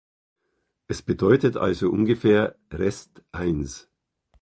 Es bedeutet also ungefähr „Rest eins“.